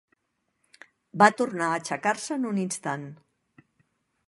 Va tornar a aixecar-se en un instant.